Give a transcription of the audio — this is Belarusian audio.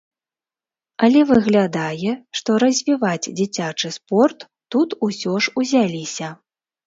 Але выглядае, што развіваць дзіцячы спорт тут усё ж узяліся.